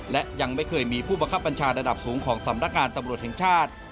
และยังไม่เคยมีผู้บังคับบัญชาระดับสูงของสำนักงานตำรวจแห่งชาติ